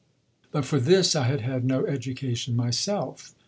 But for this I had had no education myself."